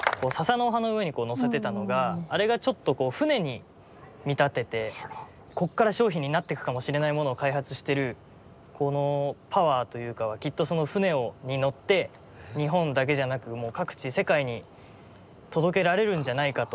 笹の葉の上にのせてたのがあれがちょっと船に見立ててここから商品になってくかもしれないものを開発してるこのパワーというかきっとその船に乗って日本だけじゃなく各地世界に届けられるんじゃないかと。